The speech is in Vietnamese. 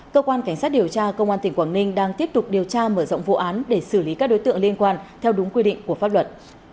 cơ quan cảnh sát điều tra công an tỉnh quảng ninh đang tiếp tục điều tra mở rộng vụ án để xử lý các đối tượng liên quan theo đúng quy định của pháp luật